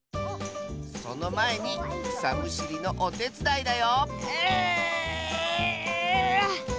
そのまえにくさむしりのおてつだいだようあっ！